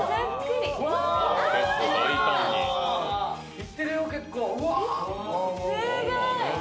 いってるよ、結構。